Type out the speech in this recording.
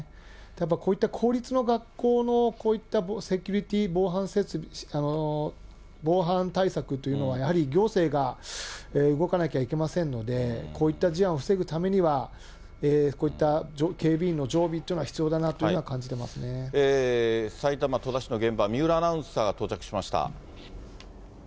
こういった公立の学校のこういったセキュリティー、防犯対策というのは、やはり行政が動かなきゃいけませんので、こういった事案を防ぐためには、こういった警備員の常備というのは、必要だなというふうには感じ埼玉・戸田市の現場、三浦アナウンサーが到着しました。